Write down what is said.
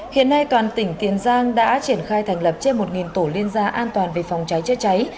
hiện nay toàn tỉnh tiền giang đã triển khai thành lập trên một tổ liên gia an toàn về phòng cháy chữa cháy